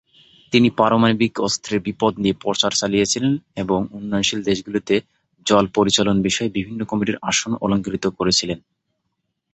তিনি পারমাণবিক অস্ত্রের বিপদ নিয়ে প্রচার চালিয়েছিলেন এবং উন্নয়নশীল দেশগুলিতে জল পরিচালন বিষয়ে বিভিন্ন কমিটির আসন অলংকৃত করেছিলেন।